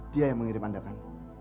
dia yang mengirim anda kan